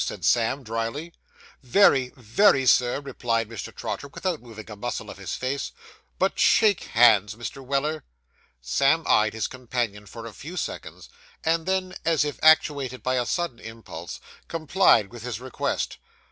said Sam drily. 'Very, very, Sir,' replied Mr. Trotter, without moving a muscle of his face. 'But shake hands, Mr. Weller.' Sam eyed his companion for a few seconds, and then, as if actuated by a sudden impulse, complied with his request.